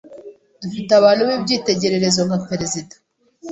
dufite abantu b’icyitegererezo nka Perezida